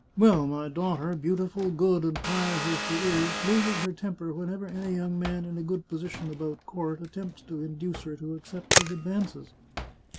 Well, my daugh ter— beautiful, good, and pious as she is — loses her temper whenever any young man in a good position about court attempts to induce her to accept his advances.